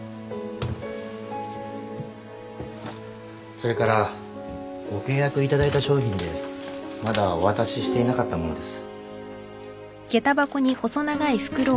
それからご契約いただいた商品でまだお渡ししていなかった物です。